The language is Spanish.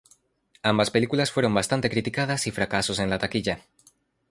Ambas películas fueron bastante criticadas y fracasos en la taquilla.